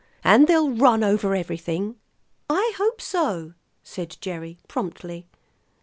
And they'll run over everything." "I hope so," said Gerry promptly.